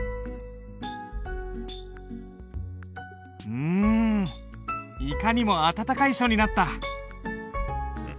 うんいかにも温かい書になった。